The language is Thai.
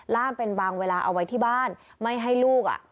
ล่ามเป็นบางเวลาเอาไว้ที่บ้านไม่ให้ลูกอ่ะ